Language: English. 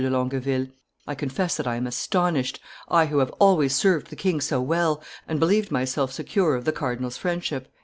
de Longueville; I confess that I am astonished, I who have always served the king so well, and believed myself secure of the cardinal's friendship."